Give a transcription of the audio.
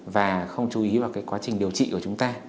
và không chú ý vào quá trình điều trị của chúng ta